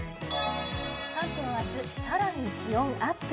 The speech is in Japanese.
関東明日、更に気温アップ。